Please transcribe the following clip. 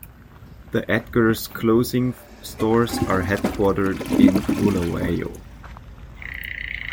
The Edgars clothing stores are headquartered in Bulawayo.